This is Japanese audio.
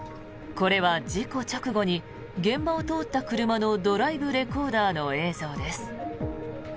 これは事故直後に現場を通った車のドライブレコーダーの映像です。